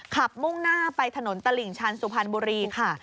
มุ่งหน้าไปถนนตลิ่งชันสุพรรณบุรีค่ะ